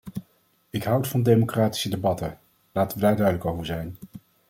Ik houd van democratische debatten; laten we daar duidelijk over zijn.